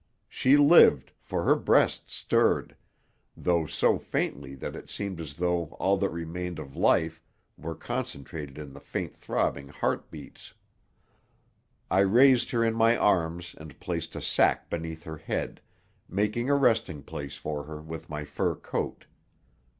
She lived, for her breast stirred, though so faintly that it seemed as though all that remained of life were concentrated in the faint throbbing heart beats. I raised her in my arms and placed a sack beneath her head, making a resting place for her with my fur coat.